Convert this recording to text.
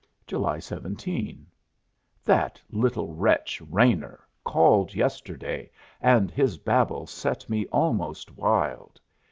JULY 17. That little wretch, Raynor, called yesterday and his babble set me almost wild.